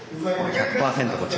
１００％こっち？